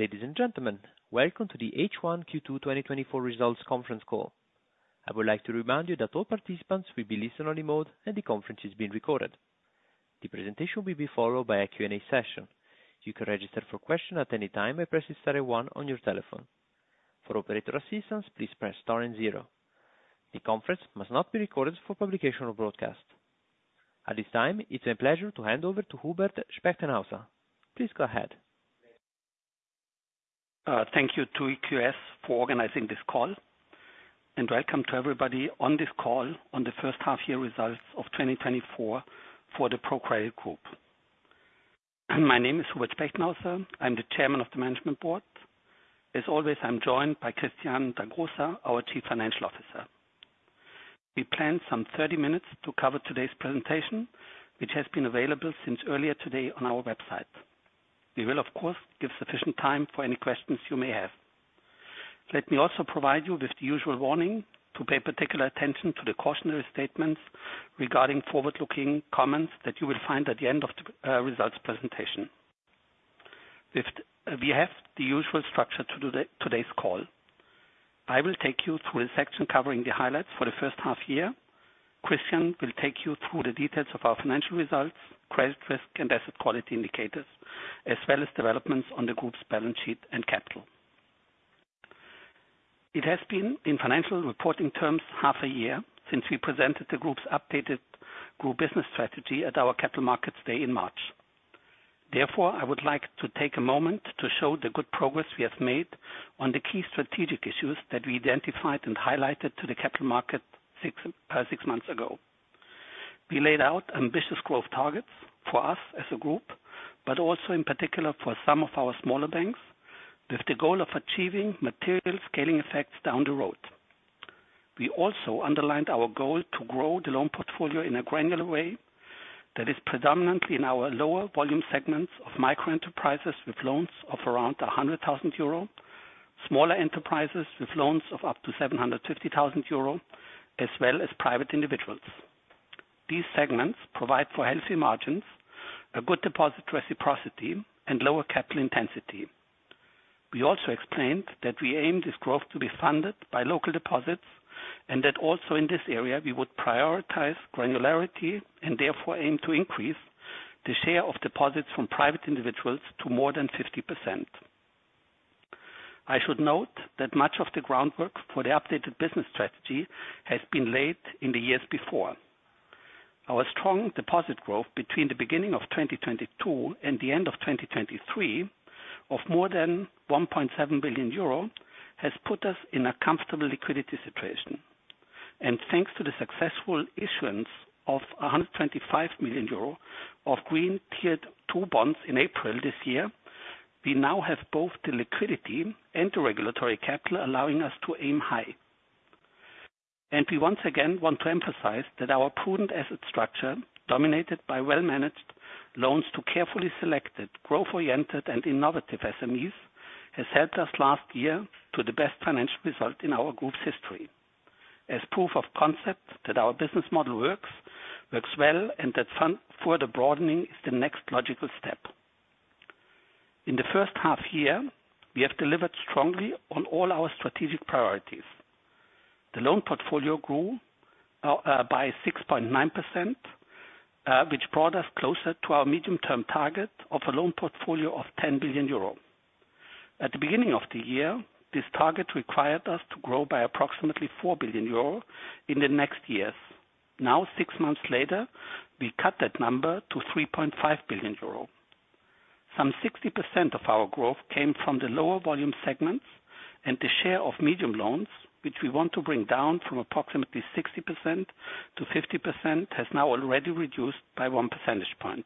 Ladies and gentlemen, welcome to the H1 Q2 2024 results conference call. I would like to remind you that all participants will be listen-only mode and the conference is being recorded. The presentation will be followed by a Q&A session. You can register for question at any time by pressing star one on your telephone. For operator assistance, please press star and zero. The conference must not be recorded for publication or broadcast. At this time, it's a pleasure to hand over to Hubert Spechtenhauser. Please go ahead. Thank you to EQS for organizing this call, welcome to everybody on this call on the first half year results of 2024 for the ProCredit Group. My name is Hubert Spechtenhauser. I'm the Chairman of the Management Board. As always, I'm joined by Christian Dagrosa, our Chief Financial Officer. We plan some 30 minutes to cover today's presentation, which has been available since earlier today on our website. We will, of course, give sufficient time for any questions you may have. Let me also provide you with the usual warning to pay particular attention to the cautionary statements regarding forward-looking comments that you will find at the end of the results presentation. We have the usual structure to today's call. I will take you through a section covering the highlights for the first half year. Christian will take you through the details of our financial results, credit risk, and asset quality indicators, as well as developments on the Group's balance sheet and capital. It has been, in financial reporting terms, half a year since we presented the Group's updated Group business strategy at our Capital Markets Day in March. Therefore, I would like to take a moment to show the good progress we have made on the key strategic issues that we identified and highlighted to the capital market six months ago. We laid out ambitious growth targets for us as a Group, also in particular for some of our smaller banks, with the goal of achieving material scaling effects down the road. We also underlined our goal to grow the loan portfolio in a granular way that is predominantly in our lower volume segments of micro-enterprises with loans of around 100,000 euro, smaller enterprises with loans of up to 750,000 euro, as well as private individuals. These segments provide for healthy margins, a good deposit reciprocity, and lower capital intensity. We also explained that we aim this growth to be funded by local deposits, that also in this area, we would prioritize granularity and therefore aim to increase the share of deposits from private individuals to more than 50%. I should note that much of the groundwork for the updated business strategy has been laid in the years before. Our strong deposit growth between the beginning of 2022 and the end of 2023 of more than 1.7 billion euro has put us in a comfortable liquidity situation. Thanks to the successful issuance of 125 million euro of Green Tier 2 bonds in April this year, we now have both the liquidity and the regulatory capital allowing us to aim high. We once again want to emphasize that our prudent asset structure, dominated by well-managed loans to carefully selected, growth-oriented, and innovative SMEs, has helped us last year to the best financial result in our group's history. As proof of concept that our business model works well, and that further broadening is the next logical step. In the first half year, we have delivered strongly on all our strategic priorities. The loan portfolio grew by 6.9%, which brought us closer to our medium-term target of a loan portfolio of 10 billion euro. At the beginning of the year, this target required us to grow by approximately 4 billion euro in the next years. Now, six months later, we cut that number to 3.5 billion euro. Some 60% of our growth came from the lower volume segments and the share of medium loans, which we want to bring down from approximately 60% to 50%, has now already reduced by one percentage point.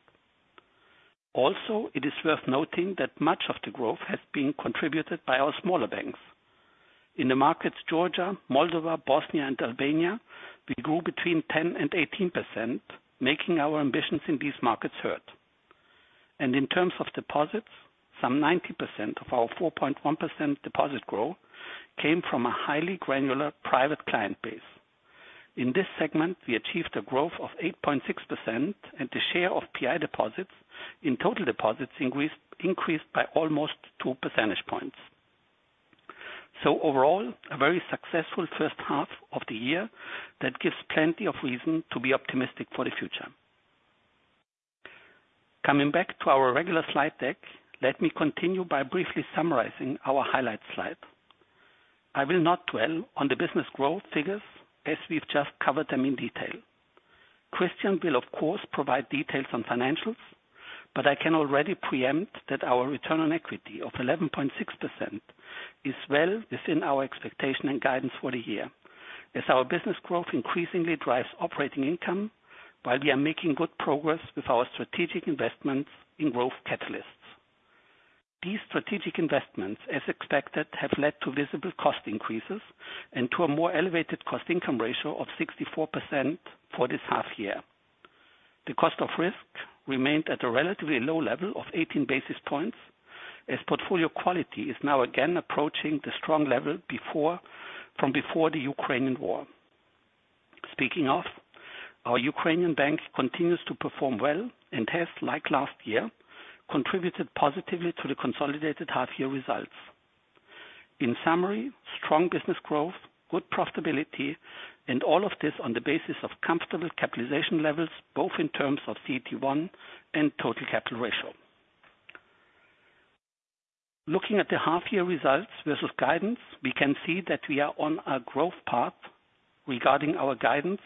It is worth noting that much of the growth has been contributed by our smaller banks. In the markets Georgia, Moldova, Bosnia, and Albania, we grew between 10% and 18%, making our ambitions in these markets heard. In terms of deposits, some 90% of our 4.1% deposit growth came from a highly granular private client base. In this segment, we achieved a growth of 8.6% and the share of PI deposits in total deposits increased by almost 2 percentage points. Overall, a very successful first half of the year that gives plenty of reason to be optimistic for the future. Coming back to our regular slide deck, let me continue by briefly summarizing our highlight slide. I will not dwell on the business growth figures as we've just covered them in detail. Christian will, of course, provide details on financials, but I can already preempt that our return on equity of 11.6% is well within our expectation and guidance for the year, as our business growth increasingly drives operating income while we are making good progress with our strategic investments in growth catalysts. These strategic investments, as expected, have led to visible cost increases and to a more elevated cost-income ratio of 64% for this half year. The cost of risk remained at a relatively low level of 18 basis points, as portfolio quality is now again approaching the strong level from before the Ukrainian war. Speaking of, our Ukrainian bank continues to perform well and has, like last year, contributed positively to the consolidated half year results. In summary, strong business growth, good profitability, and all of this on the basis of comfortable capitalization levels, both in terms of CET1 and total capital ratio. Looking at the half year results versus guidance, we can see that we are on a growth path regarding our guidance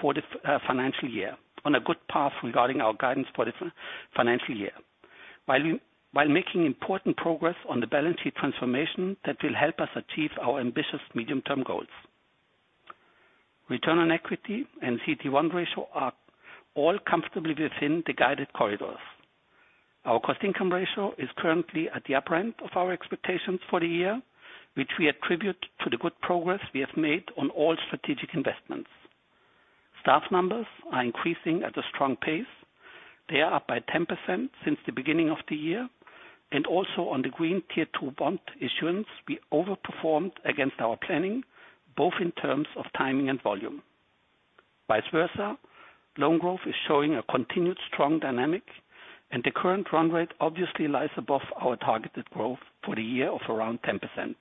for the financial year, on a good path regarding our guidance for the financial year. While making important progress on the balance sheet transformation that will help us achieve our ambitious medium-term goals. Return on equity and CET1 ratio are all comfortably within the guided corridors. Our cost-income ratio is currently at the upper end of our expectations for the year, which we attribute to the good progress we have made on all strategic investments. Staff numbers are increasing at a strong pace. They are up by 10% since the beginning of the year. Also, on the Green Tier 2 bond issuance, we overperformed against our planning, both in terms of timing and volume. Vice versa, loan growth is showing a continued strong dynamic. The current run rate obviously lies above our targeted growth for the year of around 10%.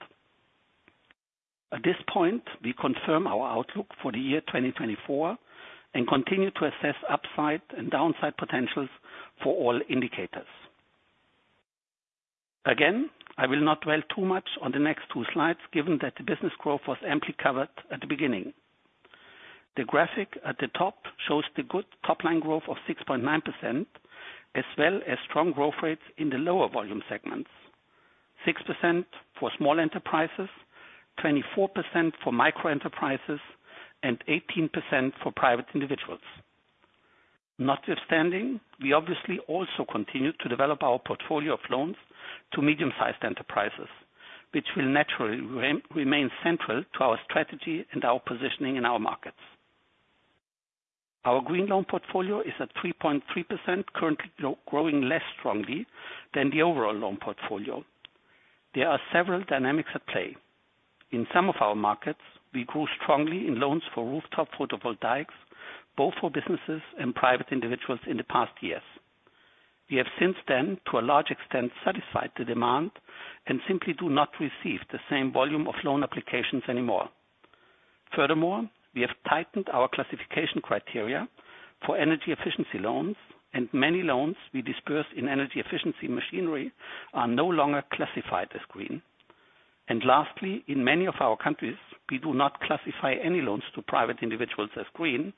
At this point, we confirm our outlook for the year 2024 and continue to assess upside and downside potentials for all indicators. Again, I will not dwell too much on the next two slides, given that the business growth was amply covered at the beginning. The graphic at the top shows the good top-line growth of 6.9%, as well as strong growth rates in the lower volume segments, 6% for small enterprises, 24% for micro enterprises, and 18% for private individuals. Notwithstanding, we obviously also continue to develop our portfolio of loans to medium-sized enterprises, which will naturally remain central to our strategy and our positioning in our markets. Our green loan portfolio is at 3.3%, currently growing less strongly than the overall loan portfolio. There are several dynamics at play. In some of our markets, we grew strongly in loans for rooftop photovoltaics, both for businesses and private individuals in the past years. We have since then, to a large extent, satisfied the demand and simply do not receive the same volume of loan applications anymore. Furthermore, we have tightened our classification criteria for energy efficiency loans. Many loans we disperse in energy efficiency machinery are no longer classified as green. Lastly, in many of our countries, we do not classify any loans to private individuals as green,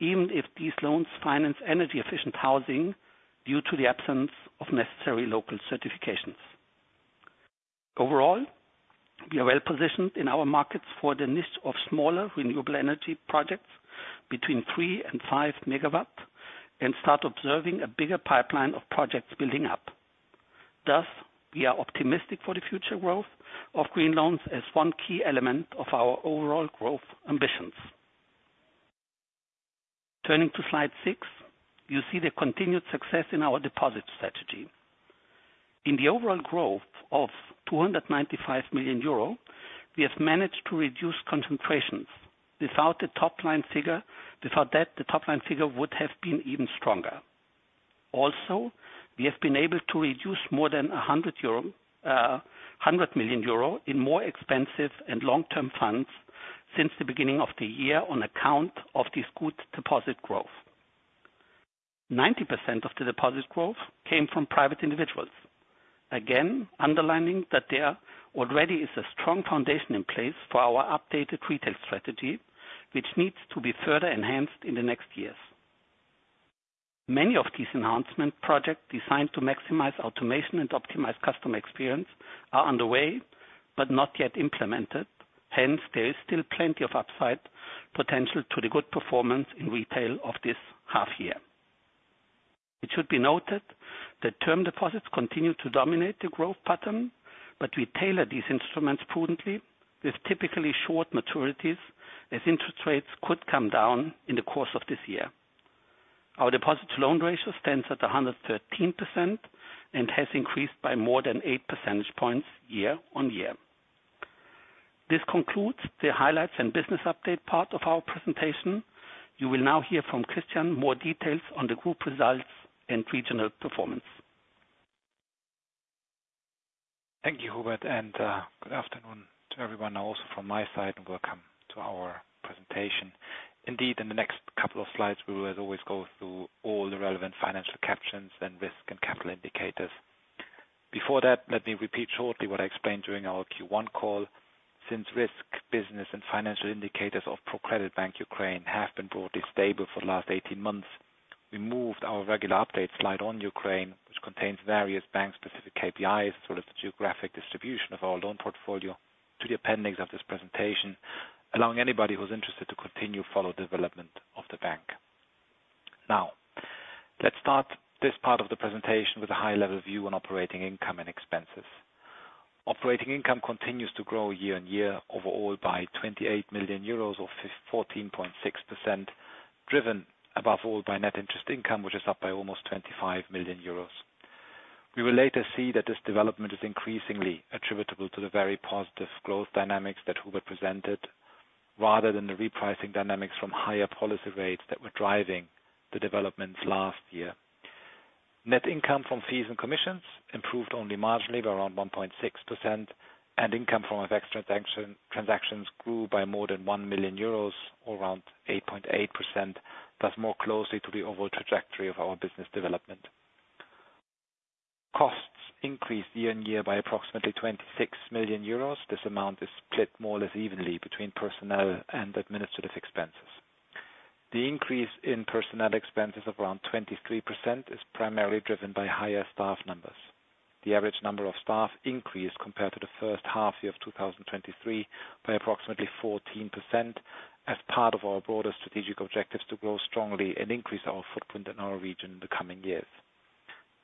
even if these loans finance energy efficient housing due to the absence of necessary local certifications. Overall, we are well-positioned in our markets for the niche of smaller renewable energy projects between 3 MW and 5 MW and start observing a bigger pipeline of projects building up. Thus, we are optimistic for the future growth of green loans as one key element of our overall growth ambitions. Turning to slide six, you see the continued success in our deposit strategy. In the overall growth of 295 million euro, we have managed to reduce concentrations. Without that, the top-line figure would have been even stronger. Also, we have been able to reduce more than 100 million euro in more expensive and long-term funds since the beginning of the year on account of this good deposit growth. 90% of the deposit growth came from private individuals. Again, underlining that there already is a strong foundation in place for our updated retail strategy, which needs to be further enhanced in the next years. Many of these enhancement projects designed to maximize automation and optimize customer experience are underway but not yet implemented. Hence, there is still plenty of upside potential to the good performance in retail of this half year. It should be noted that term deposits continue to dominate the growth pattern, but we tailor these instruments prudently with typically short maturities as interest rates could come down in the course of this year. Our deposit to loan ratio stands at 113% and has increased by more than 8 percentage points year-on-year. This concludes the highlights and business update part of our presentation. You will now hear from Christian more details on the group results and regional performance. Thank you, Hubert, and good afternoon to everyone also from my side, and welcome to our presentation. Indeed, in the next couple of slides, we will as always go through all the relevant financial captions and risk and capital indicators. Before that, let me repeat shortly what I explained during our Q1 call. Since risk business and financial indicators of ProCredit Bank Ukraine have been broadly stable for the last 18 months, we moved our regular update slide on Ukraine, which contains various bank-specific KPIs, the geographic distribution of our loan portfolio to the appendix of this presentation, allowing anybody who's interested to continue to follow development of the bank. Let's start this part of the presentation with a high-level view on operating income and expenses. Operating income continues to grow year-on-year overall by 28 million euros or 14.6%, driven above all by net interest income, which is up by almost 25 million euros. We will later see that this development is increasingly attributable to the very positive growth dynamics that Hubert presented, rather than the repricing dynamics from higher policy rates that were driving the developments last year. Net income from fees and commissions improved only marginally by around 1.6%, and income from transaction grew by more than 1 million euros, or around 8.8%, thus more closely to the overall trajectory of our business development. Costs increased year-on-year by approximately 26 million euros. This amount is split more or less evenly between personnel and administrative expenses. The increase in personnel expenses of around 23% is primarily driven by higher staff numbers. The average number of staff increased compared to the first half year of 2023 by approximately 14% as part of our broader strategic objectives to grow strongly and increase our footprint in our region in the coming years.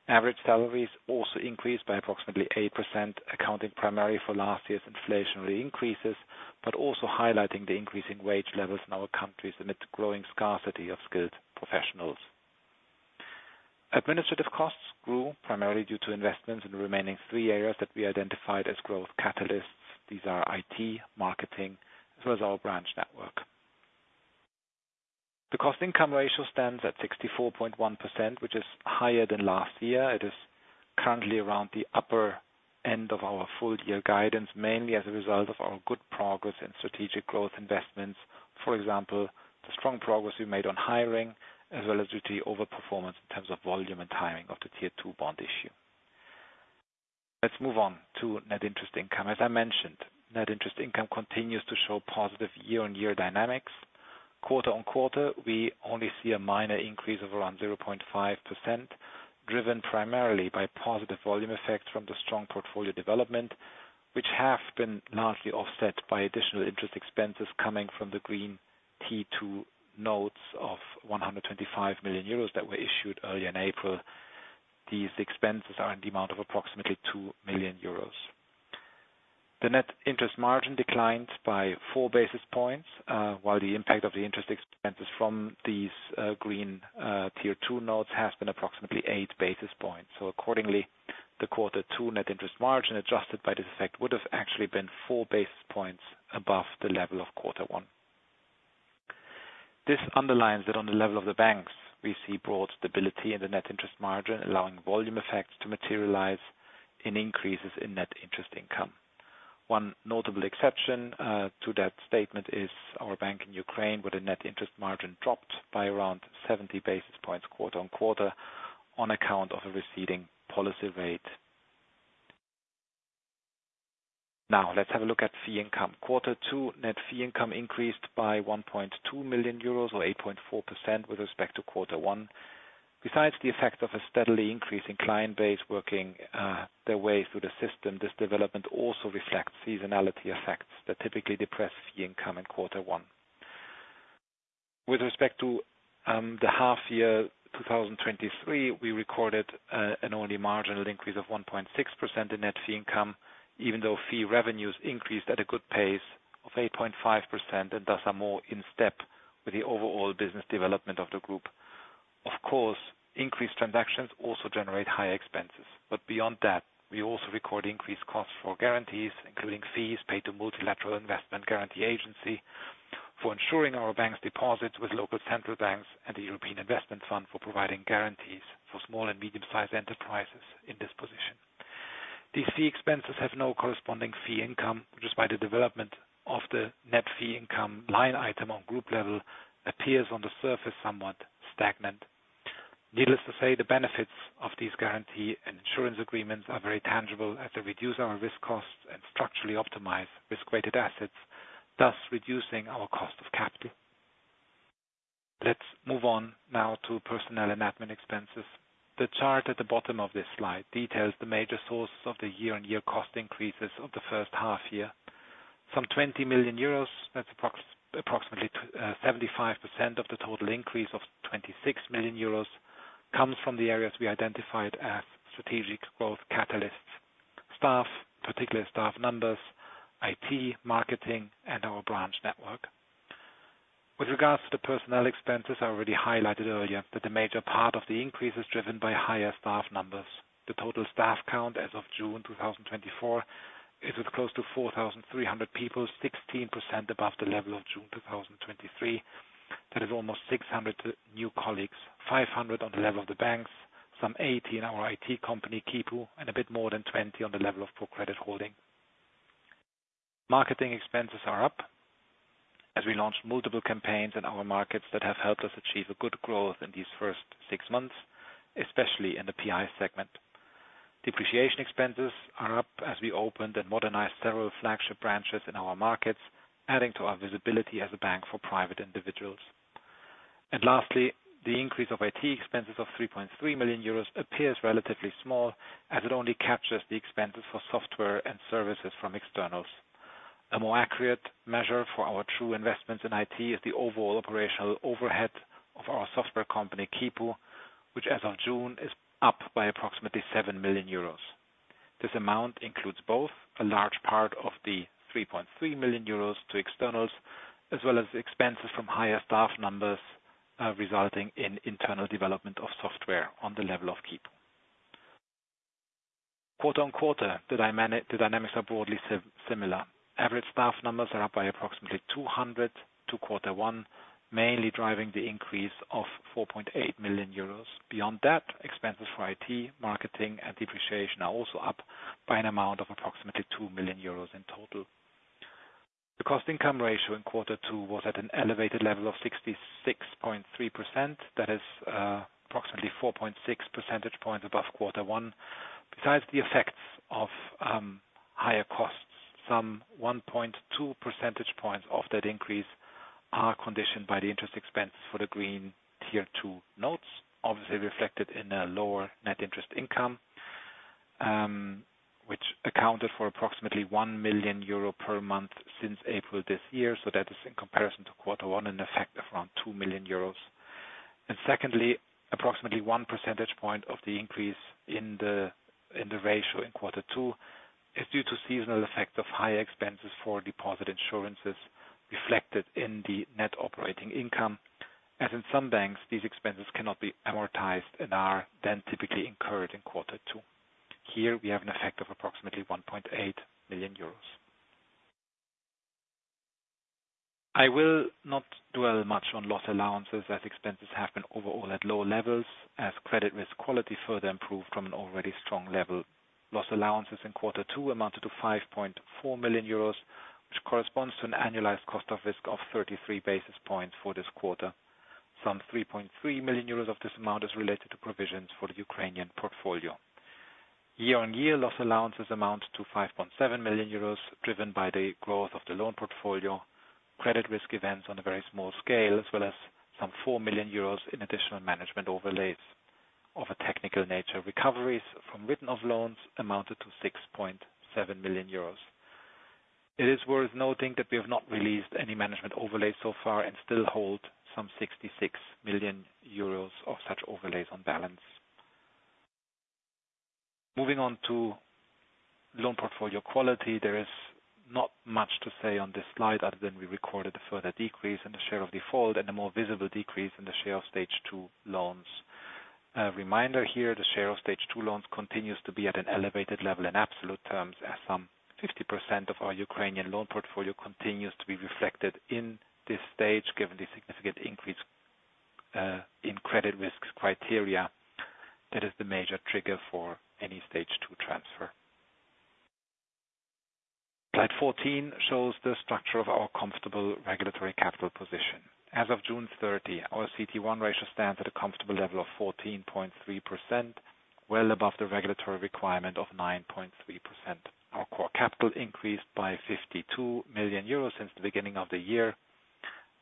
Average salaries also increased by approximately 8%, accounting primarily for last year's inflationary increases, but also highlighting the increasing wage levels in our countries amid the growing scarcity of skilled professionals. Administrative costs grew primarily due to investments in the remaining three areas that we identified as growth catalysts. These are IT, marketing, as well as our branch network. The cost-income ratio stands at 64.1%, which is higher than last year. It is currently around the upper end of our full year guidance, mainly as a result of our good progress in strategic growth investments. For example, the strong progress we made on hiring as well as due to the over-performance in terms of volume and timing of the Tier 2 bond issue. Let's move on to net interest income. As I mentioned, net interest income continues to show positive year-on-year dynamics. Quarter-on-quarter, we only see a minor increase of around 0.5%, driven primarily by positive volume effects from the strong portfolio development, which have been largely offset by additional interest expenses coming from the Green Tier 2 notes of 125 million euros that were issued earlier in April. These expenses are in the amount of approximately 2 million euros. The net interest margin declined by four basis points, while the impact of the interest expenses from these Green Tier 2 notes has been approximately 8 basis points. Accordingly, the quarter two net interest margin, adjusted by this effect, would have actually been four basis points above the level of quarter one. This underlines that on the level of the banks, we see broad stability in the net interest margin, allowing volume effects to materialize in increases in net interest income. One notable exception to that statement is our bank in Ukraine, where the net interest margin dropped by around 70 basis points quarter-on-quarter on account of a receding policy rate. Now, let's have a look at fee income. Quarter two net fee income increased by 1.2 million euros, or 8.4% with respect to quarter one. Besides the effect of a steadily increasing client base working their way through the system, this development also reflects seasonality effects that typically depress fee income in Quarter one. With respect to the half year 2023, we recorded an only marginal increase of 1.6% in net fee income, even though fee revenues increased at a good pace of 8.5%. Thus are more in step with the overall business development of the group. Of course, increased transactions also generate higher expenses. Beyond that, we also record increased costs for guarantees, including fees paid to Multilateral Investment Guarantee Agency for insuring our bank's deposits with local central banks and the European Investment Fund for providing guarantees for small and medium-sized enterprises in this position. These fee expenses have no corresponding fee income, which is why the development of the net fee income line item on group level appears on the surface somewhat stagnant. Needless to say, the benefits of these guarantee and insurance agreements are very tangible as they reduce our risk costs and structurally optimize risk-weighted assets, thus reducing our cost of capital. Let's move on now to personnel and admin expenses. The chart at the bottom of this slide details the major sources of the year-on-year cost increases of the first half year. Some 20 million euros, that's approximately 75% of the total increase of 26 million euros, comes from the areas we identified as strategic growth catalysts: staff, particular staff numbers, IT, marketing, and our branch network. With regards to the personnel expenses, I already highlighted earlier that the major part of the increase is driven by higher staff numbers. The total staff count as of June 2024 is close to 4,300 people, 16% above the level of June 2023. That is almost 600 new colleagues, 500 on the level of the banks, some 80 in our IT company, Quipu, and a bit more than 20 on the level of ProCredit Holding. Marketing expenses are up as we launched multiple campaigns in our markets that have helped us achieve a good growth in these first six months, especially in the PI segment. Depreciation expenses are up as we opened and modernized several flagship branches in our markets, adding to our visibility as a bank for private individuals. Lastly, the increase of IT expenses of 3.3 million euros appears relatively small as it only captures the expenses for software and services from externals. A more accurate measure for our true investments in IT is the overall operational overhead of our software company, Quipu, which as of June, is up by approximately 7 million euros. This amount includes both a large part of the 3.3 million euros to externals, as well as expenses from higher staff numbers resulting in internal development of software on the level of Quipu. Quarter-on-quarter, the dynamics are broadly similar. Average staff numbers are up by approximately 200 to quarter one, mainly driving the increase of 4.8 million euros. Beyond that, expenses for IT, marketing, and depreciation are also up by an amount of approximately 2 million euros in total. The cost-income ratio in quarter two was at an elevated level of 66.3%. That is approximately 4.6 percentage points above quarter one. Besides the effects of higher costs, some 1.2 percentage points of that increase are conditioned by the interest expense for the Green Tier 2 notes, obviously reflected in a lower net interest income, which accounted for approximately 1 million euro per month since April this year. That is, in comparison to quarter one, an effect of around 2 million euros. Secondly, approximately one percentage point of the increase in the ratio in quarter two is due to seasonal effects of higher expenses for deposit insurances reflected in the net operating income. As in some banks, these expenses cannot be amortized and are then typically incurred in quarter two. Here, we have an effect of approximately 1.8 million euros. I will not dwell much on loss allowances as expenses have been overall at low levels as credit risk quality further improved from an already strong level. Loss allowances in quarter two amounted to 5.4 million euros, which corresponds to an annualized cost of risk of 33 basis points for this quarter. Some 3.3 million euros of this amount is related to provisions for the Ukrainian portfolio. Year-on-year, loss allowances amount to 5.7 million euros, driven by the growth of the loan portfolio, credit risk events on a very small scale, as well as some 4 million euros in additional management overlays of a technical nature. Recoveries from written-off loans amounted to 6.7 million euros. It is worth noting that we have not released any management overlays so far and still hold some 66 million euros of such overlays on balance. Moving on to loan portfolio quality, there is not much to say on this slide other than we recorded a further decrease in the share of default and a more visible decrease in the share of Stage 2 loans. A reminder here, the share of Stage 2 loans continues to be at an elevated level in absolute terms as some 50% of our Ukrainian loan portfolio continues to be reflected in this stage, given the significant increase in credit risks criteria. That is the major trigger for any Stage 2 transfer. Slide 14 shows the structure of our comfortable regulatory capital position. As of June 30, our CET1 ratio stands at a comfortable level of 14.3%, well above the regulatory requirement of 9.3%. Our core capital increased by 52 million euros since the beginning of the year,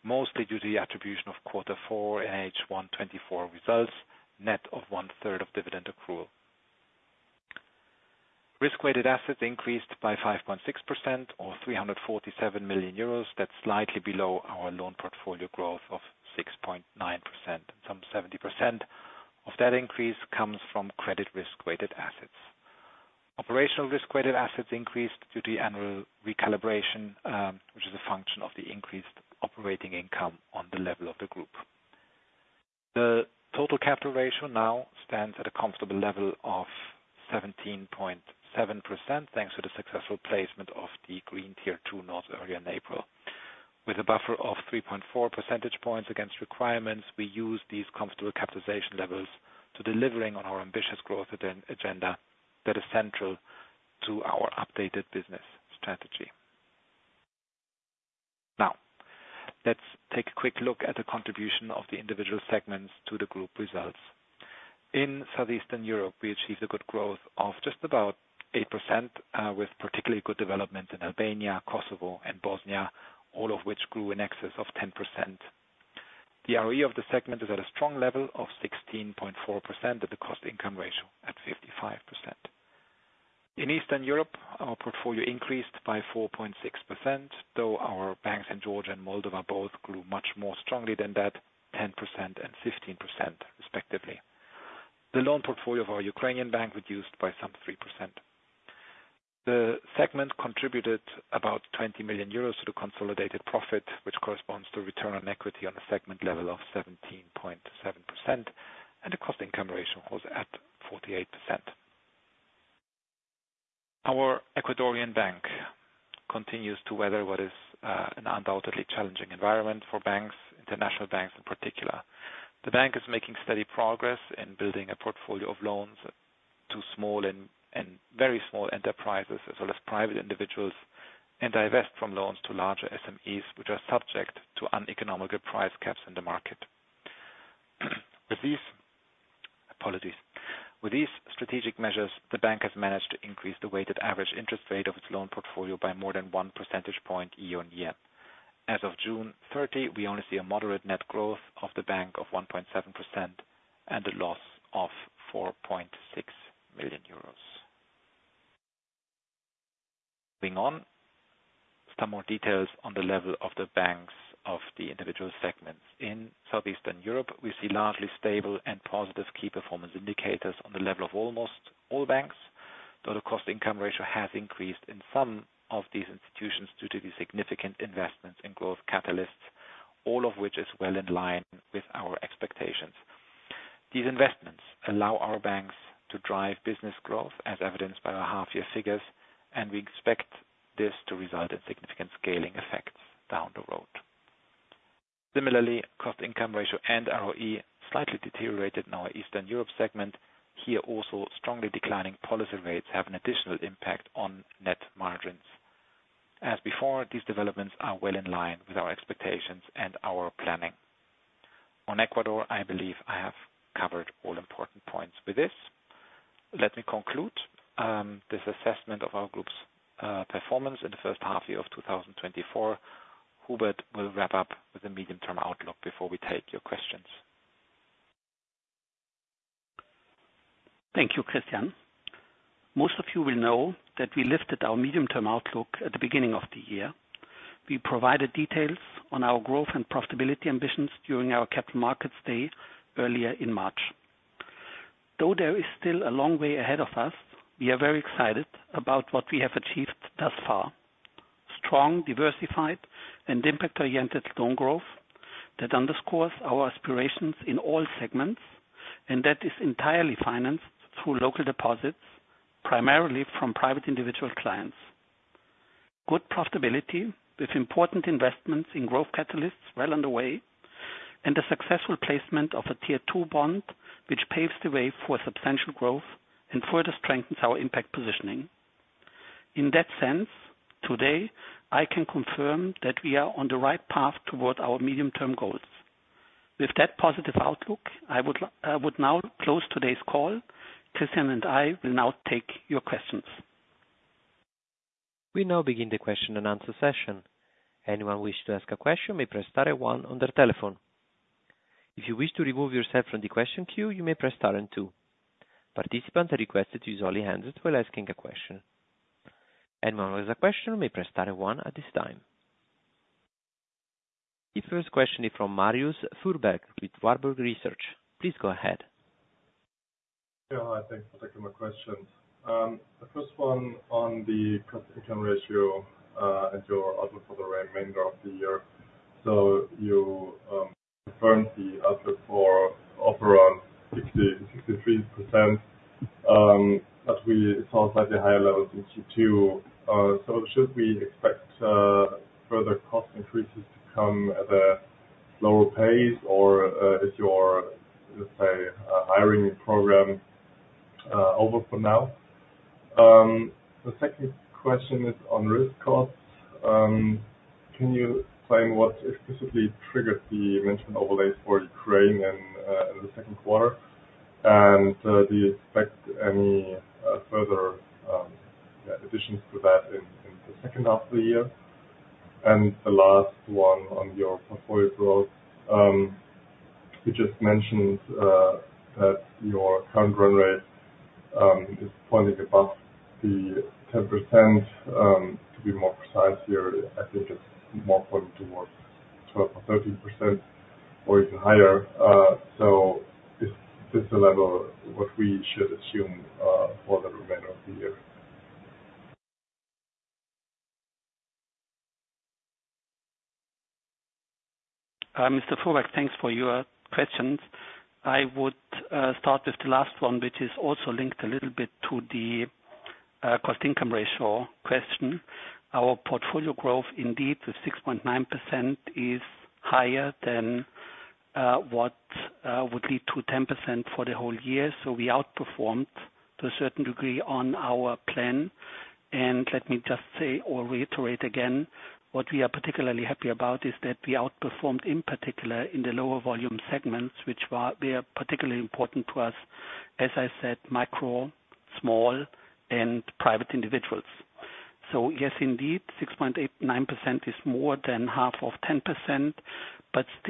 mostly due to the attribution of Q4 H1 2024 results, net of 1/3 of dividend accrual. Risk-weighted assets increased by 5.6% or 347 million euros. That's slightly below our loan portfolio growth of 6.9%. Some 70% of that increase comes from credit risk-weighted assets. Operational risk-weighted assets increased due to the annual recalibration, which is a function of the increased operating income on the level of the group. The total capital ratio now stands at a comfortable level of 17.7%, thanks to the successful placement of the Green Tier 2 note earlier in April. With a buffer of 3.4 percentage points against requirements, we use these comfortable capitalization levels to delivering on our ambitious growth agenda that is central to our updated business strategy. Now, let's take a quick look at the contribution of the individual segments to the group results. In Southeastern Europe, we achieved a good growth of just about 8% with particularly good development in Albania, Kosovo, and Bosnia, all of which grew in excess of 10%. The ROE of the segment is at a strong level of 16.4% of the cost-income ratio at 55%. In Eastern Europe, our portfolio increased by 4.6%, though our banks in Georgia and Moldova both grew much more strongly than that, 10% and 15% respectively. The loan portfolio of our Ukrainian bank reduced by some 3%. The segment contributed about 20 million euros to the consolidated profit, which corresponds to return on equity on a segment level of 17.7%, and the cost-income ratio was at 48%. Our Ecuadorian bank continues to weather what is an undoubtedly challenging environment for banks, international banks in particular. The bank is making steady progress in building a portfolio of loans to small and very small enterprises as well as private individuals, and divest from loans to larger SMEs, which are subject to uneconomical price caps in the market. Apologies. With these strategic measures, the bank has managed to increase the weighted average interest rate of its loan portfolio by more than one percentage point year on year. As of June 30, we only see a moderate net growth of the bank of 1.7% and a loss of 4.6 million euros. Moving on. Some more details on the level of the banks of the individual segments. In Southeastern Europe, we see largely stable and positive key performance indicators on the level of almost all banks, though the cost-income ratio has increased in some of these institutions due to the significant investments in growth catalysts, all of which is well in line with our expectations. These investments allow our banks to drive business growth, as evidenced by our half-year figures, and we expect this to result in significant scaling effects down the road. Similarly, cost-income ratio and ROE slightly deteriorated in our Eastern Europe segment. Here also, strongly declining policy rates have an additional impact on net margins. As before, these developments are well in line with our expectations and our planning. On Ecuador, I believe I have covered all important points with this. Let me conclude this assessment of our group's performance in the first half year of 2024. Hubert will wrap up with a medium-term outlook before we take your questions. Thank you, Christian. Most of you will know that we lifted our medium-term outlook at the beginning of the year. We provided details on our growth and profitability ambitions during our Capital Markets Day earlier in March. Though there is still a long way ahead of us, we are very excited about what we have achieved thus far. Strong, diversified, and impact-oriented loan growth that underscores our aspirations in all segments, and that is entirely financed through local deposits, primarily from private individual clients. Good profitability with important investments in growth catalysts well underway, and the successful placement of a Tier 2 bond, which paves the way for substantial growth and further strengthens our impact positioning. In that sense, today, I can confirm that we are on the right path towards our medium-term goals. With that positive outlook, I would now close today's call. Christian and I will now take your questions. We now begin the question and answer session. Anyone who wishes to ask a question may press star one on their telephone. If you wish to remove yourself from the question queue, you may press star then two. Participants are requested to use only handles while asking a question. Anyone with a question may press star one at this time. The first question is from Marius Fuhrberg with Warburg Research. Please go ahead. Yeah. Hi. Thanks for taking my questions. The first one on the cost-income ratio and your outlook for the remainder of the year. You confirmed the outlook for up around 63%, but we saw slightly higher levels in Q2. Should we expect further cost increases to come at a slower pace or is your, let's say, hiring program over for now? The second question is on risk costs. Can you explain what specifically triggered the mentioned overlays for Ukraine in the second quarter? Do you expect any further additions to that in the second half of the year? The last one on your portfolio growth. You just mentioned that your current run rate is pointing above the 10%. To be more precise here, I think it's more pointing towards 12% or 13% or even higher. Is this the level what we should assume for the remainder of the year? Mr. Fuhrberg, thanks for your questions. I would start with the last one, which is also linked a little bit to the cost-income ratio question. Our portfolio growth, indeed, with 6.9% is higher than what would lead to 10% for the whole year. We outperformed to a certain degree on our plan. Let me just say or reiterate again, what we are particularly happy about is that we outperformed, in particular, in the lower volume segments, which they are particularly important to us, as I said, micro, small, and private individuals. Yes, indeed, 6.9% is more than half of 10%,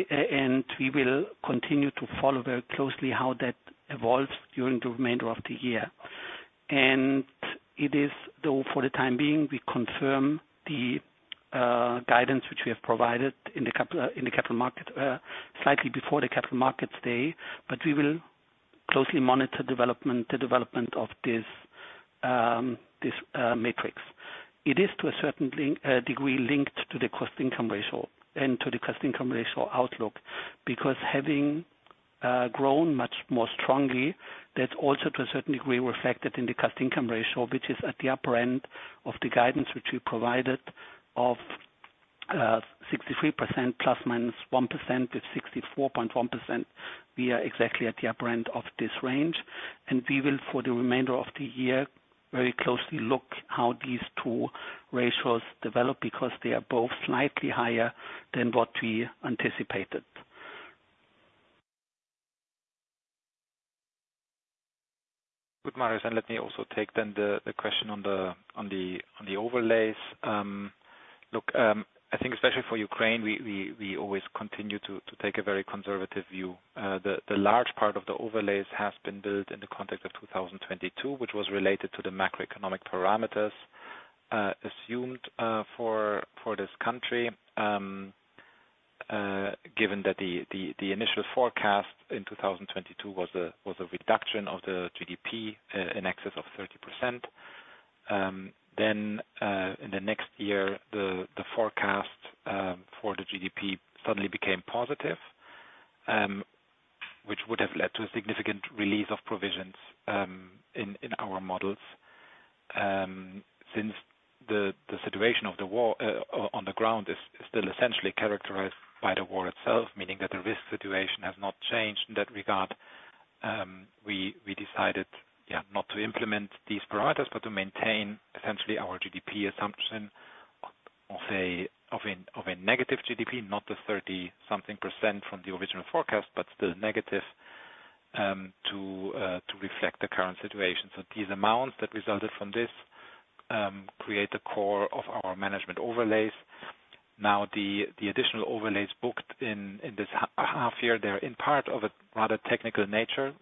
and we will continue to follow very closely how that evolves during the remainder of the year. It is, though, for the time being, we confirm the guidance which we have provided slightly before the Capital Markets Day, but we will closely monitor the development of this matrix. It is to a certain degree linked to the cost-income ratio and to the cost-income ratio outlook, because having grown much more strongly, that also to a certain degree reflected in the cost-income ratio, which is at the upper end of the guidance which we provided of 63% ±1% to 64.1%. We are exactly at the upper end of this range. We will, for the remainder of the year, very closely look how these two ratios develop because they are both slightly higher than what we anticipated. Good, Marius. Let me also take then the question on the overlays. Look, I think especially for Ukraine, we always continue to take a very conservative view. The large part of the overlays has been built in the context of 2022, which was related to the macroeconomic parameters assumed for this country. Given that the initial forecast in 2022 was a reduction of the GDP in excess of 30%. In the next year, the forecast for the GDP suddenly became positive, which would have led to a significant release of provisions in our models. Since the situation on the ground is still essentially characterized by the war itself, meaning that the risk situation has not changed in that regard, we decided not to implement these parameters, but to maintain essentially our GDP assumption of a negative GDP, not the 30-something percent from the original forecast, but still negative, to reflect the current situation. These amounts that resulted from this create the core of our management overlays. The additional overlays booked in this half year, they're in part of a rather technical nature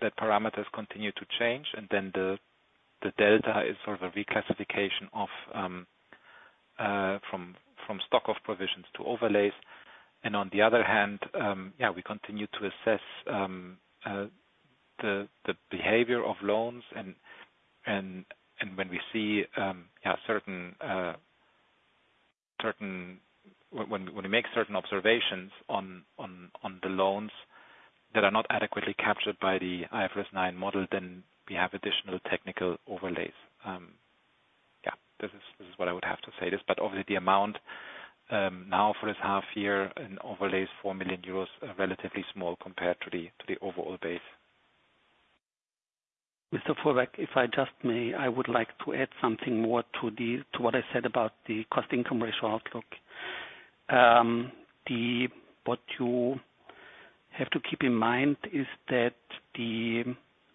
that parameters continue to change. The delta is sort of a reclassification from stock of provisions to overlays. On the other hand, we continue to assess the behavior of loans and when we make certain observations on the loans that are not adequately captured by the IFRS 9 model, then we have additional technical overlays. This is what I would have to say. Obviously the amount now for this half year in overlays, 4 million euros, are relatively small compared to the overall base. Mr. Fuhrberg, if I just may, I would like to add something more to what I said about the cost-income ratio outlook. What you have to keep in mind is that the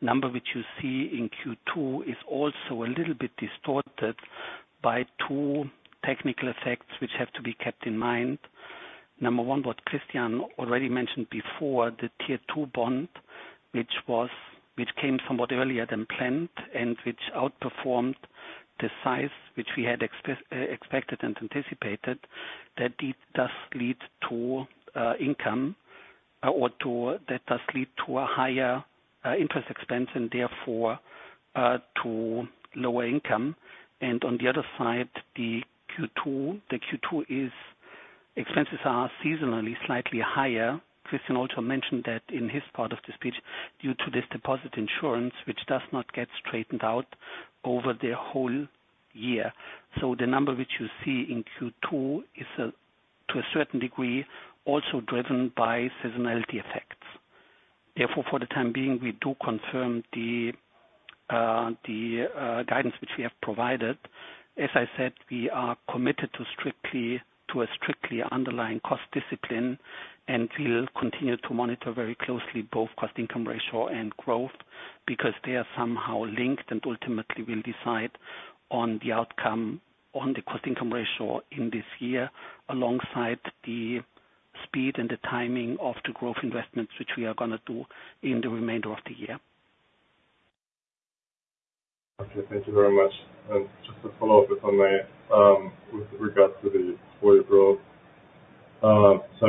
number which you see in Q2 is also a little bit distorted by two technical effects which have to be kept in mind. Number one, what Christian already mentioned before, the Tier 2 bond, which came somewhat earlier than planned and which outperformed the size which we had expected and anticipated, that does lead to a higher interest expense and therefore to lower income. On the other side, the Q2 expenses are seasonally slightly higher. Christian also mentioned that in his part of the speech, due to this deposit insurance, which does not get straightened out over the whole year. The number which you see in Q2 is to a certain degree, also driven by seasonality effects. Therefore, for the time being, we do confirm the guidance which we have provided. As I said, we are committed to a strictly underlying cost discipline and we will continue to monitor very closely both cost-income ratio and growth because they are somehow linked and ultimately will decide on the outcome on the cost-income ratio in this year, alongside the speed and the timing of the growth investments, which we are going to do in the remainder of the year. Okay, thank you very much. Just to follow up, if I may, with regards to the growth.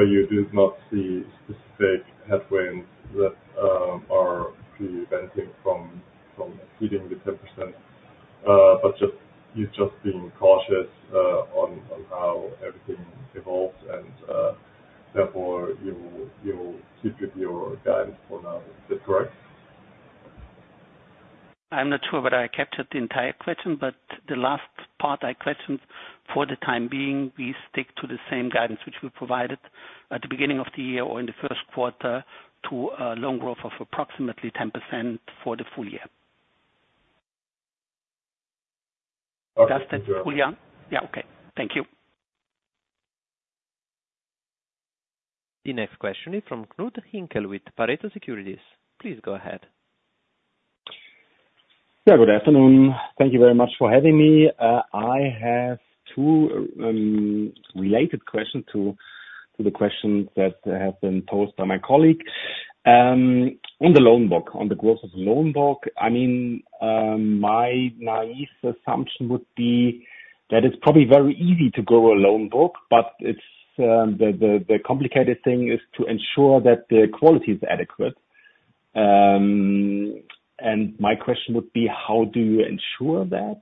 You did not see specific headwinds that are preventing from exceeding the 10%, but you are just being cautious on how everything evolves and, therefore you will stick with your guidance for now. Is that correct? I am not sure whether I captured the entire question, but the last part I questioned, for the time being, we stick to the same guidance which we provided at the beginning of the year or in the first quarter to a loan growth of approximately 10% for the full year. Okay. That's it, Julian? Yeah, okay. Thank you. The next question is from Knud Hinkel with Pareto Securities. Please go ahead. Yeah, good afternoon. Thank you very much for having me. I have two related questions to the questions that have been posed by my colleague. On the growth of loan book, my naive assumption would be that it's probably very easy to grow a loan book, but the complicated thing is to ensure that the quality is adequate. My question would be, how do you ensure that?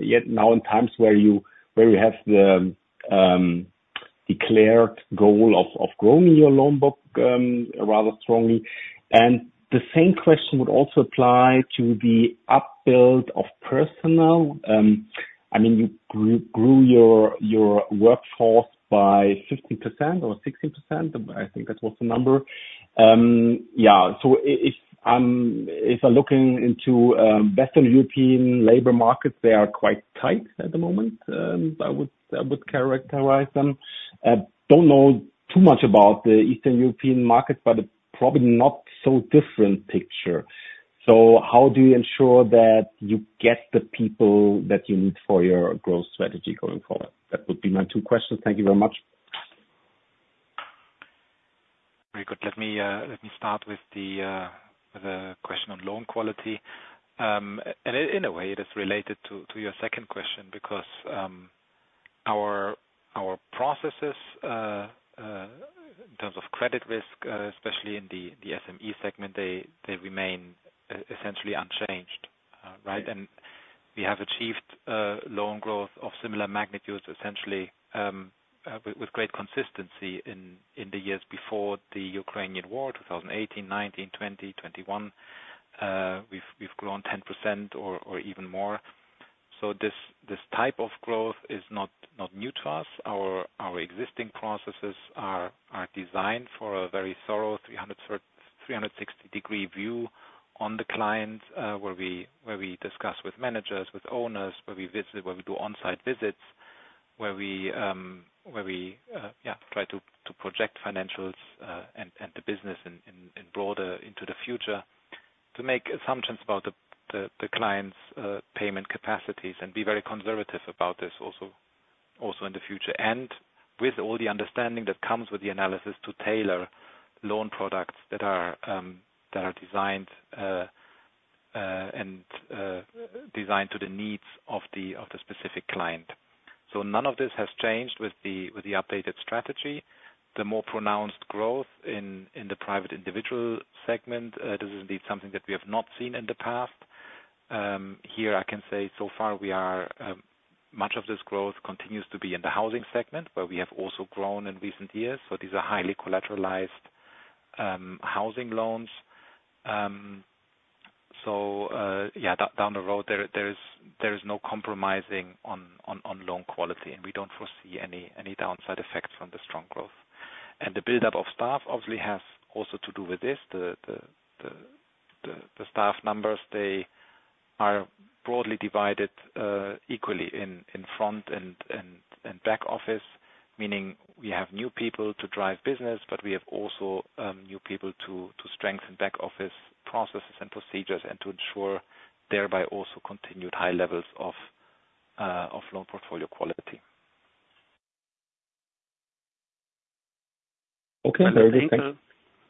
Yet now in times where you have the declared goal of growing your loan book rather strongly. The same question would also apply to the up-build of personnel. You grew your workforce by 15% or 16%, I think that was the number. Yeah. If I'm looking into Western European labor markets, they are quite tight at the moment, I would characterize them. Don't know too much about the Eastern European market, but probably not so different picture. How do you ensure that you get the people that you need for your growth strategy going forward? That would be my two questions. Thank you very much. Very good. Let me start with the question on loan quality. In a way, it is related to your second question because our processes, in terms of credit risk, especially in the SME segment, they remain essentially unchanged, right? We have achieved loan growth of similar magnitudes essentially with great consistency in the years before the Ukrainian war, 2018, 2019, 2020, 2021. We've grown 10% or even more. This type of growth is not new to us. Our existing processes are designed for a very thorough 360-degree view on the client, where we discuss with managers, with owners, where we visit, where we do on-site visits, where we try to project financials and the business in broader into the future to make assumptions about the client's payment capacities and be very conservative about this also in the future. With all the understanding that comes with the analysis to tailor loan products that are designed to the needs of the specific client. None of this has changed with the updated strategy. The more pronounced growth in the private individual segment, this is indeed something that we have not seen in the past. Here I can say so far much of this growth continues to be in the housing segment, where we have also grown in recent years. These are highly collateralized housing loans. Down the road, there is no compromising on loan quality, and we don't foresee any downside effects from the strong growth. The buildup of staff obviously has also to do with this. The staff numbers, they are broadly divided equally in front and back office, meaning we have new people to drive business, but we have also new people to strengthen back office processes and procedures and to ensure thereby also continued high levels of loan portfolio quality. Okay. Very good.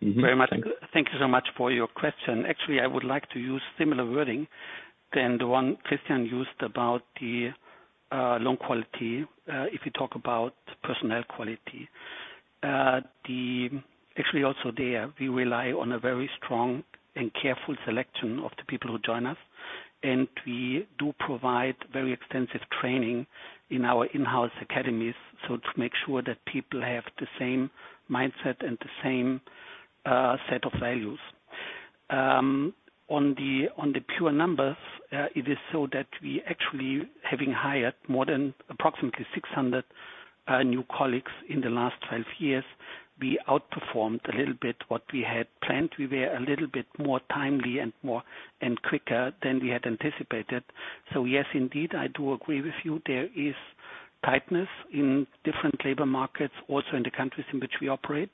Thanks. Thank you so much for your question. Actually, I would like to use similar wording than the one Christian used about the loan quality if you talk about personnel quality. Actually also there, we rely on a very strong and careful selection of the people who join us, and we do provide very extensive training in our in-house academies to make sure that people have the same mindset and the same set of values. On the pure numbers, it is so that we actually, having hired more than approximately 600 new colleagues in the last 12 years, we outperformed a little bit what we had planned. We were a little bit more timely and quicker than we had anticipated. Yes, indeed, I do agree with you. There is tightness in different labor markets, also in the countries in which we operate.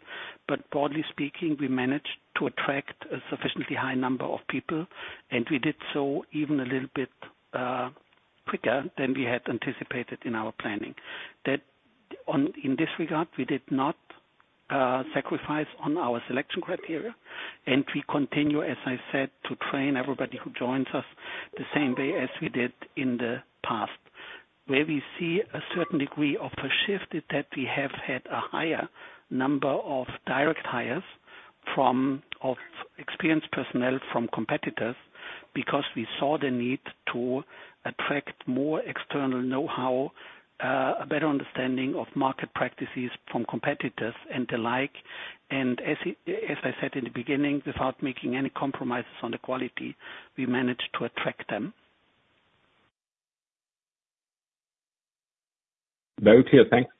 Broadly speaking, we managed to attract a sufficiently high number of people, and we did so even a little bit quicker than we had anticipated in our planning. In this regard, we did not sacrifice on our selection criteria, and we continue, as I said, to train everybody who joins us the same way as we did in the past. Where we see a certain degree of a shift is that we have had a higher number of direct hires of experienced personnel from competitors because we saw the need to attract more external know-how, a better understanding of market practices from competitors and the like. As I said in the beginning, without making any compromises on the quality, we managed to attract them. Very clear. Thanks.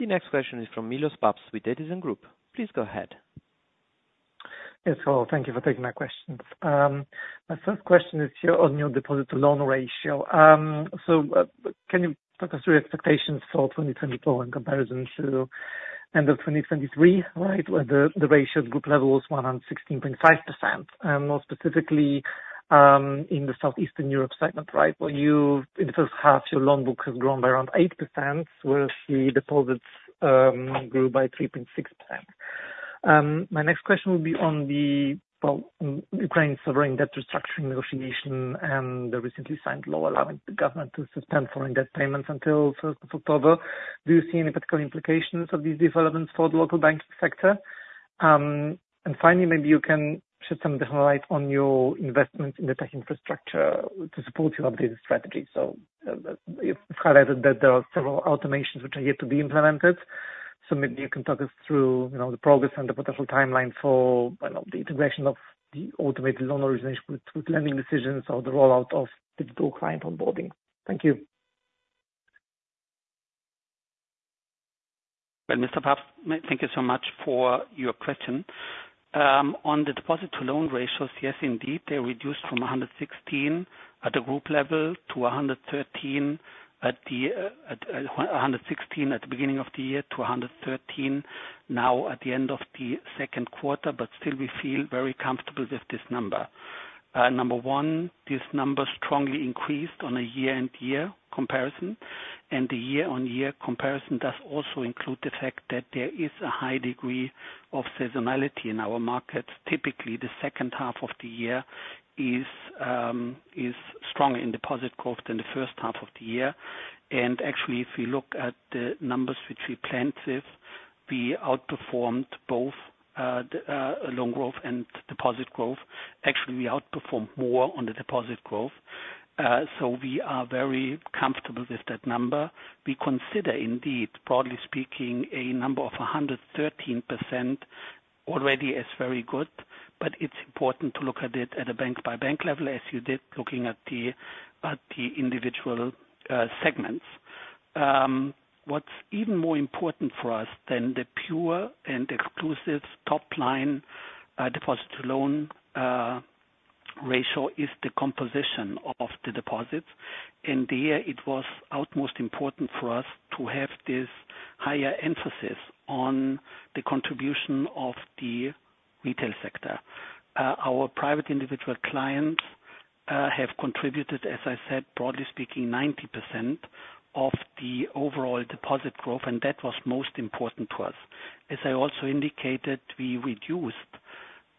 The next question is from Milosz Papst with Edison Group. Please go ahead. Yes. Hello. Thank you for taking my questions. My first question is on your deposit to loan ratio. Can you talk us through your expectations for 2024 in comparison to end of 2023, right, where the ratio at group level was 116.5%? More specifically, in the Southeastern Europe segment, right, where in the first half, your loan book has grown by around 8%, whereas the deposits grew by 3.6%. My next question will be on the Ukraine sovereign debt restructuring negotiation and the recently signed law allowing the government to suspend foreign debt payments until 1st of October. Do you see any particular implications of these developments for the local banking sector? Finally, maybe you can shed some different light on your investments in the tech infrastructure to support your updated strategy. You've highlighted that there are several automations which are yet to be implemented. Maybe you can talk us through the progress and the potential timeline for the integration of the automated loan origination with lending decisions or the rollout of digital client onboarding. Thank you. Well, Mr. Papst, thank you so much for your question. On the deposit to loan ratios, yes, indeed. They reduced from 116% at the group level to 113%. 116% at the beginning of the year to 113% now at the end of the second quarter. Still, we feel very comfortable with this number. Number one, this number strongly increased on a year-on-year comparison, and the year-on-year comparison does also include the fact that there is a high degree of seasonality in our market. Typically, the second half of the year is stronger in deposit growth than the first half of the year. Actually, if you look at the numbers which we planned, we outperformed both loan growth and deposit growth. Actually, we outperformed more on the deposit growth. We are very comfortable with that number. We consider indeed, broadly speaking, a number of 113% already as very good, but it's important to look at it at a bank-by-bank level as you did looking at the individual segments. What's even more important for us than the pure and exclusive top-line deposit to loan ratio is the composition of the deposits. There, it was outmost important for us to have this higher emphasis on the contribution of the retail sector. Our private individual clients have contributed, as I said, broadly speaking, 90% of the overall deposit growth, and that was most important to us. As I also indicated, we reduced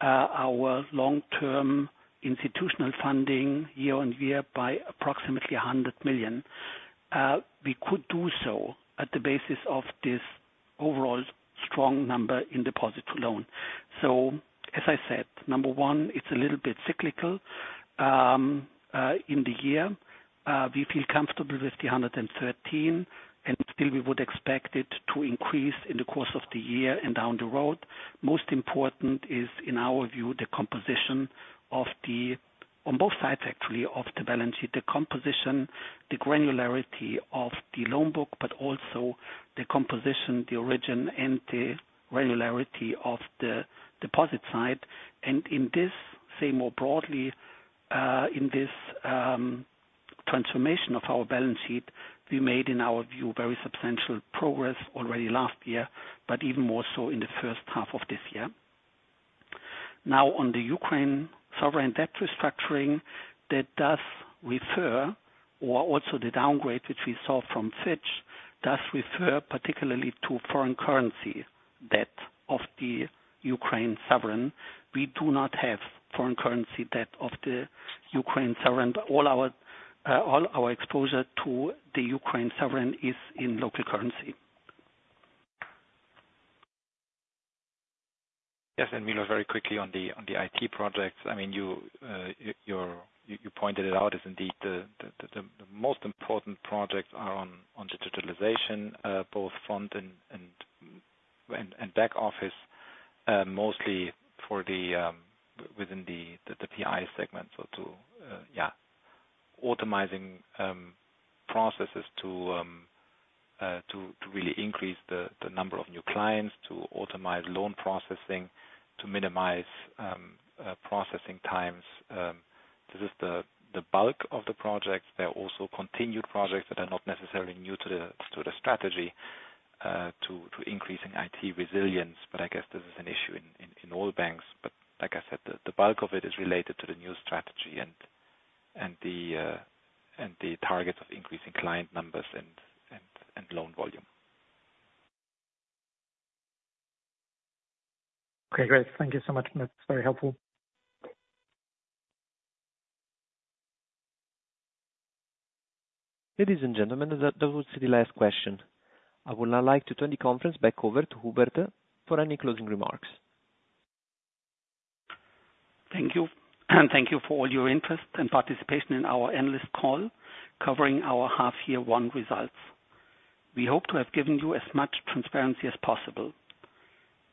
our long-term institutional funding year-on-year by approximately 100 million. We could do so at the basis of this overall strong number in deposit to loan. As I said, number one, it's a little bit cyclical in the year. Still we would expect it to increase in the course of the year and down the road. Most important is, in our view, the composition of the on both sides, actually, of the balance sheet, the composition, the granularity of the loan book, but also the composition, the origin, and the granularity of the deposit side. In this, say more broadly, in this transformation of our balance sheet, we made, in our view, very substantial progress already last year, but even more so in the first half of this year. On the Ukraine sovereign debt restructuring, that does refer, or also the downgrade which we saw from Fitch, does refer particularly to foreign currency debt of the Ukraine sovereign. We do not have foreign currency debt of the Ukraine sovereign. All our exposure to the Ukraine sovereign is in local currency. Yes, Milosz, very quickly on the IT projects. You pointed it out as indeed the most important projects are on digitalization, both front and back office, mostly within the PI segment. To automizing processes to really increase the number of new clients, to automize loan processing, to minimize processing times. This is the bulk of the projects. There are also continued projects that are not necessarily new to the strategy, to increasing IT resilience, but I guess this is an issue in all banks. Like I said, the bulk of it is related to the new strategy and the targets of increasing client numbers and loan volume. Great. Thank you so much. That's very helpful. Ladies and gentlemen, that was the last question. I would now like to turn the conference back over to Hubert for any closing remarks. Thank you. Thank you for all your interest and participation in our analyst call covering our half year one results. We hope to have given you as much transparency as possible.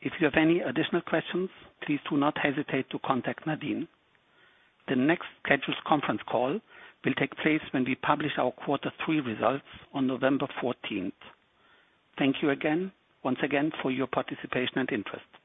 If you have any additional questions, please do not hesitate to contact Nadine. The next scheduled conference call will take place when we publish our quarter three results on November 14th. Thank you again, once again, for your participation and interest. Thanks.